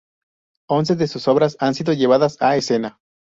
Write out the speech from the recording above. Once de sus obras han sido llevadas a escena.